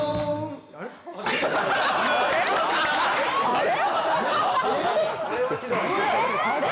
あれ？